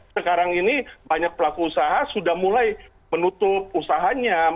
sekarang ini banyak pelaku usaha sudah mulai menutup usahanya